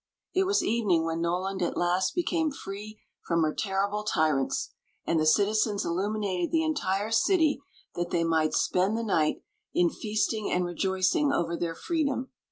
It was evening when Noland at last became free from her terrible tyrants ; and the '^itizens illuminated the entire city that they might spend the night in 288 Queen Zixi of Ix feasting and rejoicing over their freedom.